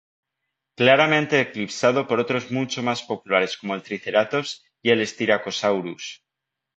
Claramente eclipsado por otros mucho más populares como el "Triceratops" y el "Styracosaurus".